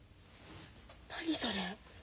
何それ？